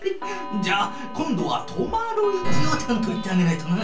じゃあ今度は止まる位置をちゃんと言ってあげないとな。